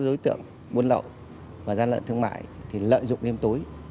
đối tượng buôn lậu và gian lận thương mại thì lợi dụng đêm tối